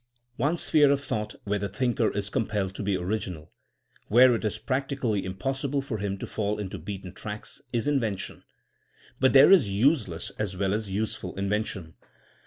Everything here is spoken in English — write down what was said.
One sphere of thought where the thinker is compelled to be original ; where it is practically impossible for him to fall into beaten tracks, is invention. But there is useless as well as use ful invention.